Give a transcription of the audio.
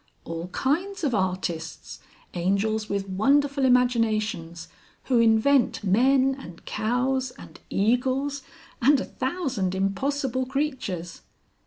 "All kinds of artists, Angels with wonderful imaginations, who invent men and cows and eagles and a thousand impossible creatures."